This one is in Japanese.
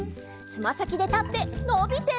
つまさきでたってのびて！